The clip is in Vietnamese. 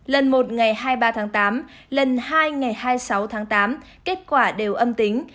lần một ngày hai mươi ba tháng tám lần hai ngày hai mươi sáu tháng tám kết quả đều âm tính